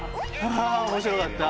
はあ面白かった！